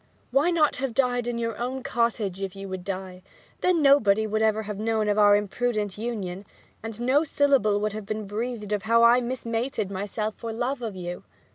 'Why not have died in your own cottage if you would die! Then nobody would ever have known of our imprudent union, and no syllable would have been breathed of how I mismated myself for love of you!'